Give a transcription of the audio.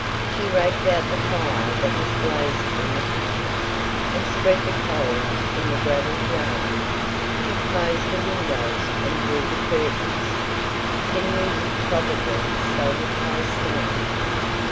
She raked out the fire that was blazing in the kitchen, and spread the coals in the gravelled yard. She closed the windows and drew the curtains. Henry would probably sell the place now.